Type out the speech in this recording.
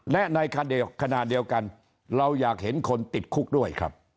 และในขณะเดียวกันเราอยากเห็นคนติดคุกด้วยครับ